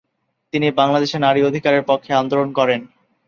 তিনি বাংলাদেশে নারী অধিকারের পক্ষে আন্দোলন করেন।